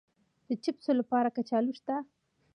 د چپسو لپاره کچالو شته؟